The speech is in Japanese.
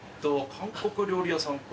韓国料理屋さんか。